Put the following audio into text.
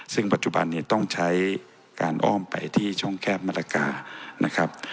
ซึ่งปัจจุบันนี้ต้องใช้การอ้อมไปที่ช่องแคบมัตรกานะครับ